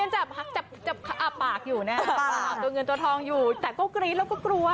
จับจับปากอยู่นะตัวเงินตัวทองอยู่แต่ก็กรี๊ดแล้วก็กลัว